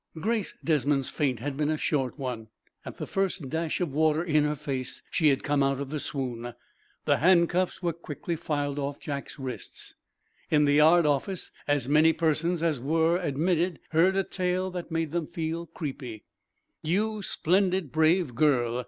Grace Desmond's faint had been a short one; at the first dash of water in her face she had come out of her swoon. The handcuffs were quickly filed off Jack's wrists. In the yard office as many persons as were admitted heard a tale that made them feel creepy. "You splendid, brave girl!"